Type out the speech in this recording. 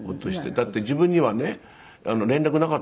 だって自分にはね連絡なかったんですって。